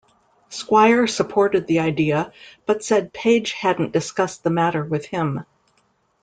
Squire supported the idea, but said Page hadn't discussed the matter with him.